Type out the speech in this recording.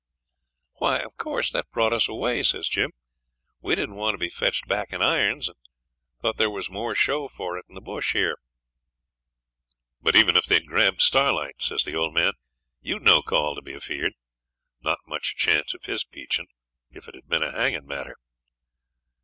'Why, of course, that brought us away,' says Jim; 'we didn't want to be fetched back in irons, and thought there was more show for it in the bush here.' 'But even if they'd grabbed Starlight,' says the old man, 'you'd no call to be afeard. Not much chance of his peaching, if it had been a hanging matter.'